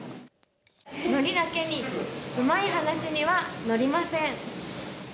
海苔だけにうまい話にはノリません！